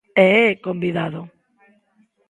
E é convidado.